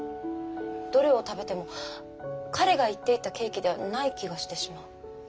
どれを食べても彼が言っていたケーキではない気がしてしまう。